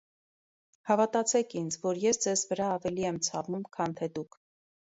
Հավատացեք ինձ, որ ես ձեզ վերա ավելի եմ ցավում, քան թե դուք: